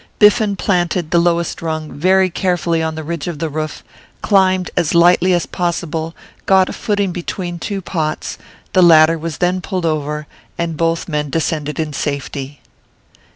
Biffen planted the lowest rung very carefully on the ridge of the roof, climbed as lightly as possible, got a footing between two pots; the ladder was then pulled over, and both men descended in safety.